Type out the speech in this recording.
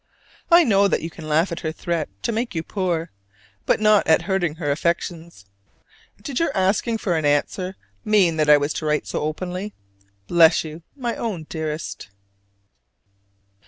I know that you can laugh at her threat to make you poor; but not at hurting her affections. Did your asking for an "answer" mean that I was to write so openly? Bless you, my own dearest.